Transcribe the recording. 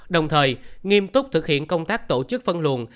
đồng thời nghiêm túc thực hiện công tác tổ chức phân luồn